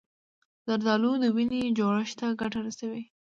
زردالو د وینې جوړښت ته ګټه رسوي.